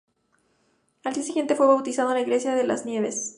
Al día siguiente fue bautizado en la Iglesia de Las Nieves.